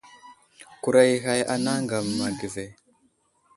Kurag i ghag anay aŋgam age ve.